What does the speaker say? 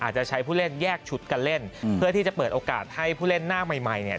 อาจจะใช้ผู้เล่นแยกชุดกันเล่นเพื่อที่จะเปิดโอกาสให้ผู้เล่นหน้าใหม่ใหม่เนี่ย